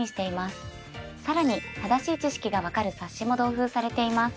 さらに正しい知識が分かる冊子も同封されています。